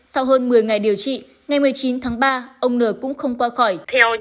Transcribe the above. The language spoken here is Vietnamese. sau hơn một mươi ngày điều trị ngày một mươi chín tháng ba ông n cũng không qua khỏi